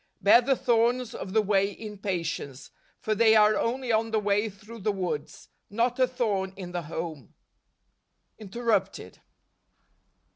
Bear the thorns of the way in patience, for they are only on the way through the woods ; not a thorn in the home. Interrupted.